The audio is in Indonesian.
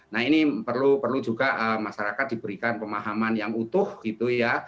nah ini perlu juga masyarakat diberikan pemahaman yang utuh gitu ya